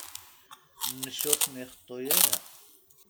Nnec ur ten-ixeṭṭu ara.